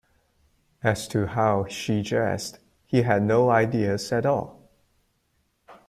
As to how she dressed, he had no ideas at all.